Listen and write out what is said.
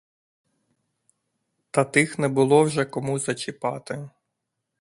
Та тих не було вже кому зачіпати.